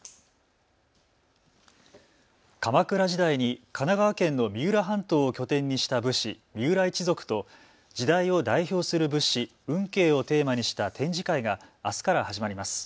鎌倉時代に神奈川県の三浦半島を拠点にした武士、三浦一族と時代を代表する仏師、運慶をテーマにした展示会があすから始まります。